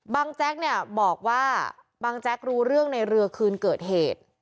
แจ๊กเนี่ยบอกว่าบังแจ๊กรู้เรื่องในเรือคืนเกิดเหตุ